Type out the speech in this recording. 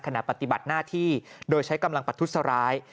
ขณะปฏิบัติหน้าที่โดยใช้กำลังประทุษร้าย